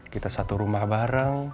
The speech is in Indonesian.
kita satu rumah bareng